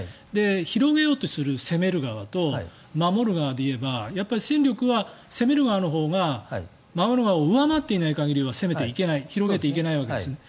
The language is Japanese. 広げようとする攻める側と守る側で言えばやっぱり戦力は攻める側のほうが守る側を上回っていなければ攻めていけない広げていけないわけですね。